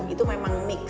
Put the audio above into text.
itu memang mix